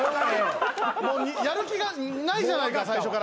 もうやる気がないじゃないか最初から。